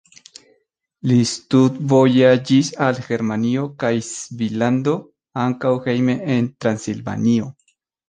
Li studvojaĝis al Germanio kaj Svislando, ankaŭ hejme en Transilvanio.